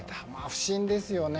不審ですよね。